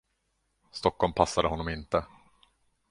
Stockholm passade honom inte.